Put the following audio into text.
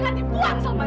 jangan dibuang sama dia